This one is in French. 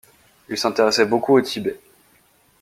Il s’intéressait beaucoup au Tibet.